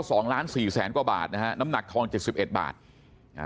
กว่าบาทนะฮะน้ำหนักทอง๗๑บาทอ่ะ